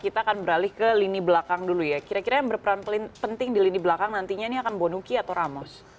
kita akan beralih ke lini belakang dulu ya kira kira yang berperan penting di lini belakang nantinya ini akan bonuki atau ramos